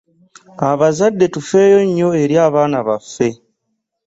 Abazadde tufeeyo nnyo eri abaana baffe .